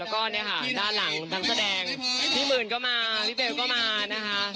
แล้วก็เนี่ยค่ะด้านหลังนักแสดงพี่หมื่นก็มาพี่เบลก็มานะคะ